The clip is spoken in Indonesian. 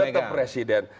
menegang tetap presiden